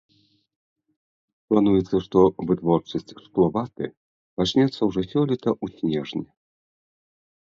Плануецца, што вытворчасць шкловаты пачнецца ўжо сёлета ў снежні.